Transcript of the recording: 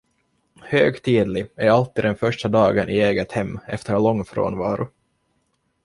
Högtidlig är alltid den första dagen i eget hem efter lång frånvaro.